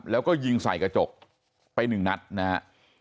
แล้วก็ยิงใส่กระจกไปหนึ่งนัดนะฮะ